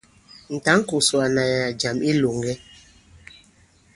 Mɛ̀ tǎŋ kòsòk àna nyàà jàm i ilòŋgɛ.